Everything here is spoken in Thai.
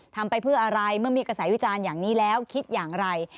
ทำไปเพื่ออะไรเมื่อมีกระแสวิจารณ์อย่างนี้แล้วคิดอย่างไร